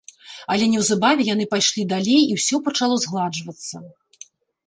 Але неўзабаве яны пайшлі далей, і ўсё пачало згладжвацца.